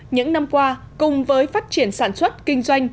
những năm qua cùng với phát triển sản xuất kinh doanh